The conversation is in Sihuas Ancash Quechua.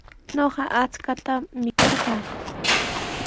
Ñuqa akshuta mikurqaa.